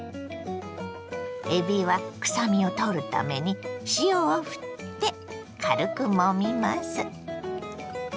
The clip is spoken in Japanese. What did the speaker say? えびは臭みを取るために塩をふって軽くもみます。